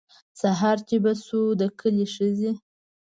سهار چې به شو د کلي ښځې.